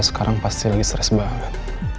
sekarang pasti lagi stres banget